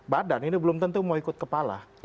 badan ini belum tentu mau ikut kepala